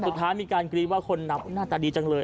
สุดท้ายมีการกรี๊ดว่าคนนับหน้าตาดีจังเลย